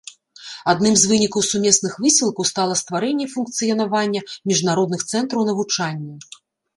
Адным з вынікаў сумесных высілкаў стала стварэнне і функцыянаванне міжнародных цэнтраў навучання.